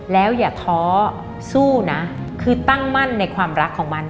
แล้วอย่าท้อสู้นะคือตั้งมั่นในความรักของมัน